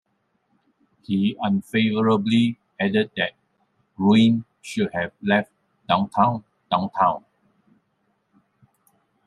He unfavorably added that Gruen should have left downtown, downtown.